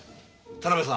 田辺さん。